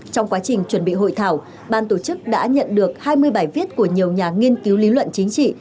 trong quá trình chuẩn bị hội thảo ban tổ chức đã nhận được hai mươi bài viết của nhiều nhà nghiên cứu lý luận chính trị